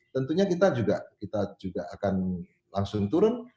tentunya kita juga kita juga akan langsung turun